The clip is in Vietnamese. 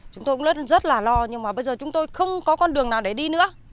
chúng tôi cũng rất là lo nhưng mà bây giờ chúng tôi không có con đường nào để đi nữa